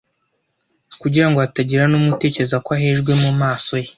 kugira ngo hatagira n’umwe utekereza ko ahejwe mu maso ye.